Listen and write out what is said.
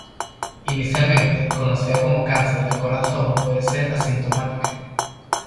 Inicialmente, conocida como cáncer del corazón puede ser asintomática.